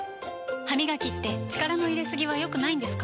歯みがきって力の入れすぎは良くないんですか？